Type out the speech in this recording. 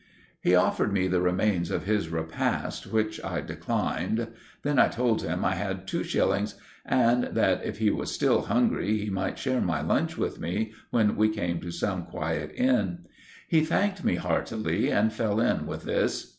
He offered me the remains of his repast, which I declined. Then I told him that I had two shillings and that, if he was still hungry, he might share my lunch with me when we came to some quiet inn. He thanked me heartily and fell in with this.